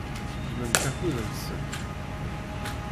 Ddment akud-nsent.